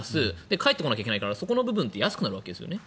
帰ってこなきゃいけないからそこの部分は安くなるんですよね。